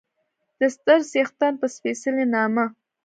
د ستر څښتن په سپېڅلي نامه